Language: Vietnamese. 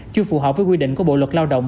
chưa phù hợp với quy định của bộ luật lao động